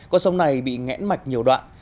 con sông này bị ngẽn mạch nhiều đoạn